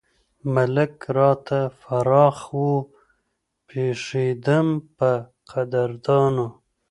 ملک راته فراخ وو پېښېدم پۀ قدردانو